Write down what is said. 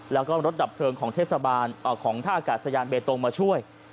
แล้วก็รถดับเพลิงของเทศบาลของท่าอากาศยานเบตงมาช่วย